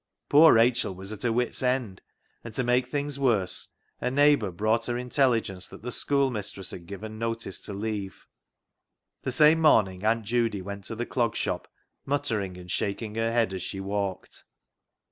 Poor Rachel was at her wits' end, and to make CLOG SHOP CHRONICLES 269 things worse a neighbour brought her intelli gence that the schoolmistress had given notice to leave. The same morning Aunt Judy went to the Clog Shop, muttering and shaking her head as she walked.